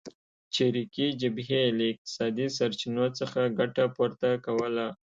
چریکي جبهې له اقتصادي سرچینو څخه ګټه پورته کوله.